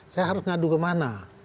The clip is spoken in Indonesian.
saya harus ngadu kemana